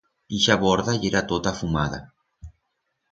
Ixa borda yera tota afumada.